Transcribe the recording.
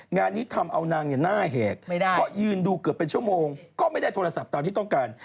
งานนี้ทำเอานางหน้าแหกเพราะยืนดูเกือบเป็นชั่วโมงก็ไม่ได้โทรศัพท์ตามที่ต้องการ